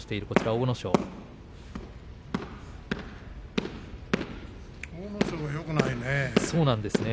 阿武咲もよくないね。